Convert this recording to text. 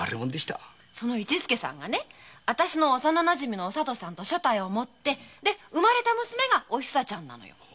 その市助さんが私の幼なじみのお里さんと所帯を持ってで生まれたのがおひさちゃんなの。